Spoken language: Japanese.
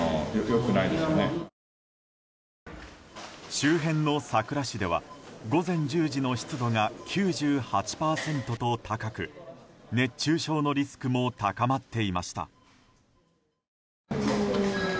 周辺の佐倉市では午前１０時の湿度が９８％と高く熱中症のリスクも高まっていました。